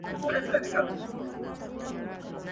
همدا به حال وي ورځ تر قیامته ..